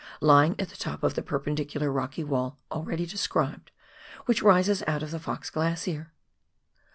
lying at the top of the perpendicular rocky wall already described, which rises out of the Fox Glacier.